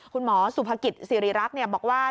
คุณหมอสุภกิจสิริรักษ์บอกว่า